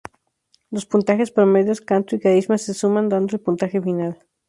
Los puntajes promedios canto y carisma se suman, dando el puntaje final.